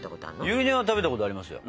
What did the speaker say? ゆり根は食べたことありますよ。